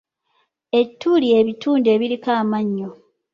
Ettu ly'ebitundu ebiriko amannyo.